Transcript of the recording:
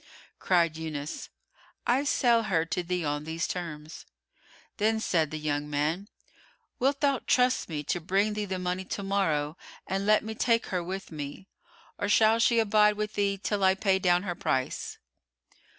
Cried Yunus, "I sell her to thee on these terms." Then said the young man, "Wilt thou trust me to bring thee the money to morrow and let me take her with me, or shall she abide with thee till I pay down her price?"